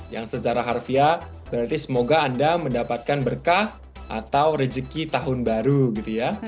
yang sejarah harfiah berarti semoga anda mendapatkan berkah atau rezeki tahun baru gitu ya